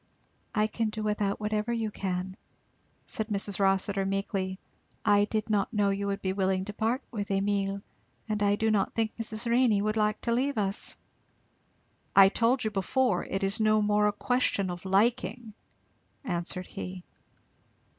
"I can do without whatever you can," said Mrs. Rossitur meekly. "I did not know that you would be willing to part with Emile, and I do not think Mrs. Renney would like to leave us." "I told you before, it is no more a question of liking," answered he.